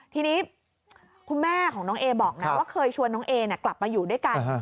ทีนี้คุณแม่ของน้องเอบอกนะว่าเคยชวนน้องเอกลับมาอยู่ด้วยกัน